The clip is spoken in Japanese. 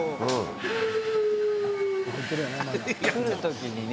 来る時にね、